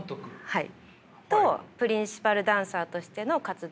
はい。